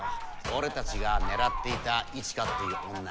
俺たちが狙っていた一華っていう女。